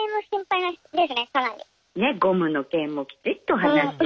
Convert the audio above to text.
ねっゴムの件もきちっと話し。